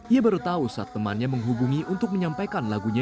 ia baru tahu saat temannya menghubungi untuk menyampaikan lagunya